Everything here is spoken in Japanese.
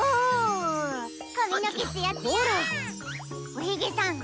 おひげさん！